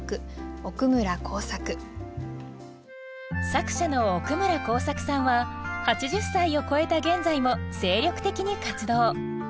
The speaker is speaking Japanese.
作者の奥村晃作さんは８０歳をこえた現在も精力的に活動。